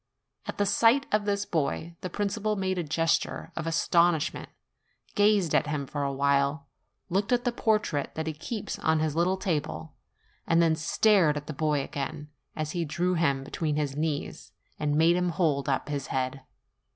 At the sight of this boy, the principal made a gesture of astonishment, gazed at him for a while, looked at the portrait that he keeps on his little table, and then stared at the boy again, as he drew him between his knees, and made him hold up his head.